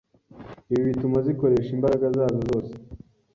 Ibi bituma zikoresha imbaraga zazo zose